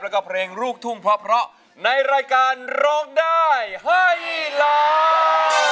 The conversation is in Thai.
แล้วก็เพลงลูกทุ่งเพราะในรายการร้องได้ให้ล้าน